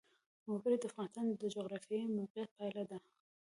وګړي د افغانستان د جغرافیایي موقیعت پایله ده.